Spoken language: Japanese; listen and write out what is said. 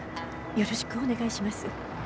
よろしくお願いします。